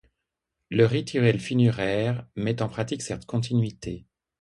Le rituel funéraire met en pratique cette continuité.